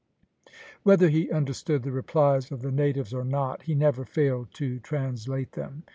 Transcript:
Whether he understood the replies of the natives or not, he never failed to translate them.